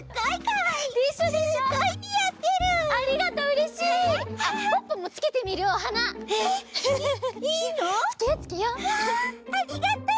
わあありがとう！